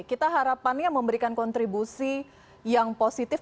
kita harapannya memberikan kontribusi yang positif